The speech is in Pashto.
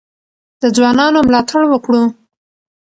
د ځوانانو ملاتړ وکړو.